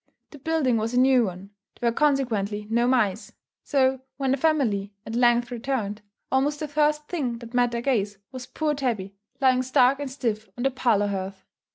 The building was a new one; there were consequently no mice; so, when the family at length returned, almost the first thing that met their gaze was poor Tabby, lying stark and stiff on the parlour hearth.